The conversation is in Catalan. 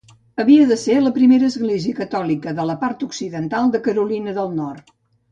Havia de ser la primera església catòlica de la part occidental de Carolina del Nord.